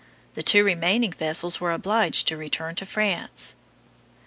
The two remaining vessels were obliged to return to France.